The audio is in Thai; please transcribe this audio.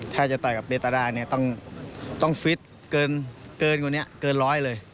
ถ้าจะต่อยกับเบตาเนี่ยต้องฟิตเกินกว่านี้เกินร้อยเลย